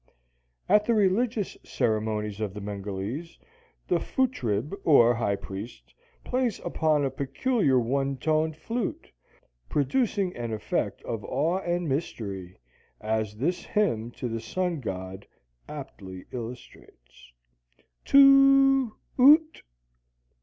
At the religious ceremonies of the Bengalese, the Futrib, or high priest, plays upon a peculiar one toned flute, producing an effect of awe and mystery, as this hymn to the sun god aptly illustrates: Too oo t!